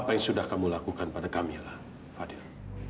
apa yang sudah kamu lakukan pada kamilah fadil